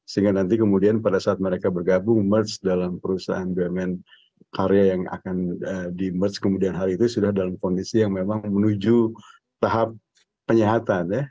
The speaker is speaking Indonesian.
sehingga nanti kemudian pada saat mereka bergabung merge dalam perusahaan bumn karya yang akan di merge kemudian hari itu sudah dalam kondisi yang memang menuju tahap penyihatan ya